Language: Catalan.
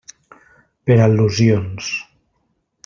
Per al·lusions.